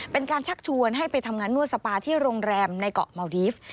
ชักชวนให้ไปทำงานนวดสปาที่โรงแรมในเกาะเมาดีฟ